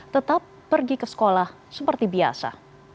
tetap pergi ke sekolah seperti biasa